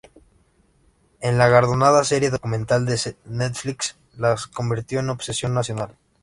En la galardonada serie documental de Netflix las convirtió en obsesión nacional.